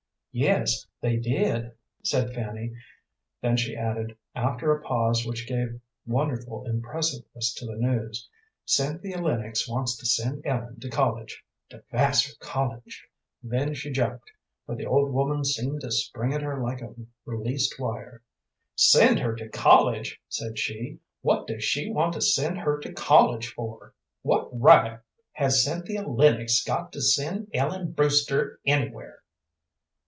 "Yes, they did," said Fanny. Then she added, after a pause which gave wonderful impressiveness to the news, "Cynthia Lennox wants to send Ellen to college to Vassar College." Then she jumped, for the old woman seemed to spring at her like released wire. "Send her to college!" said she. "What does she want to send her to college for? What right has Cynthia Lennox got to send Ellen Brewster anywhere?"